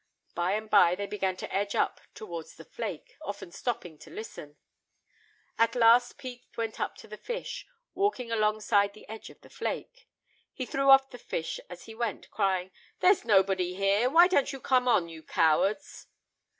By and by they began to edge up towards the flake, often stopping to listen. At last Pete went up to the fish; walking along the edge of the flake, he threw off the fish as he went, crying, "There's nobody here; why don't you come on, you cowards."